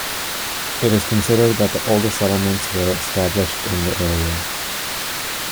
It is considered that the oldest settlements were established in the area.